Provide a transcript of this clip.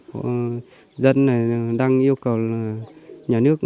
họ dân này đang yêu cầu nhà nước